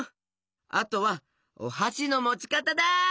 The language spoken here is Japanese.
あとはおはしのもちかただい！